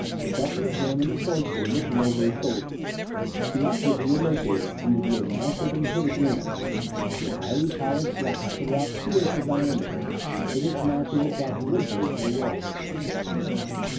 Shelton examined it closely, looking over his shoulder. The object he had located seemed to be a mounted and hooded lens, a highly polished glass of about two inches diameter with its mounting attached rigidly to the wall.